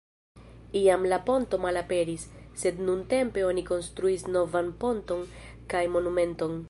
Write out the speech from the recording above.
Iam la ponto malaperis, sed nuntempe oni konstruis novan ponton kaj monumenton.